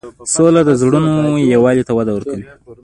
سوله د زړونو یووالی ته وده ورکوي.